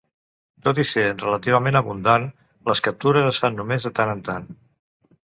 Tot i ser relativament abundant, les captures es fan només de tant en tant.